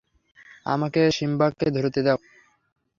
আমাকে সিম্বাকে ধরতে দাও!